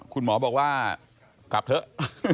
คุณหมอบอกว่ากลับเถอะ